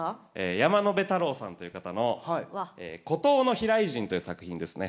山野辺太郎さんという方の「孤島の飛来人」という作品ですね。